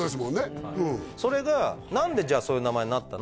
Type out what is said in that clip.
はいそれが何でじゃあそういう名前になったの？